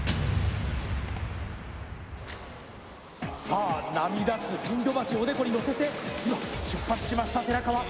さあ波立つ金魚鉢をおでこにのせて今出発しました寺川